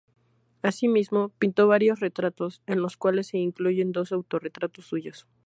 Asimismo, pintó varios retratos, en los cuales se incluyen dos autorretratos suyos.